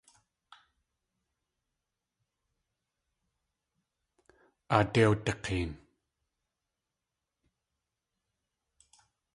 Aadé wdik̲een.